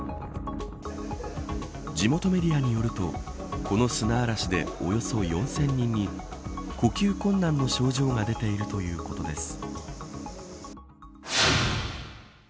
地元メディアによるとこの砂嵐でおよそ４０００人に呼吸困難の症状が出ているということです。